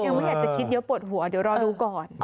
ยังไม่อยากจะคิดเยอะปวดหัวเดี๋ยวรอดูก่อน